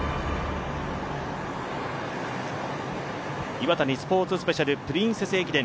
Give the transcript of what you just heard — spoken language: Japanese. Ｉｗａｔａｎｉスポーツスペシャルプリンセス駅伝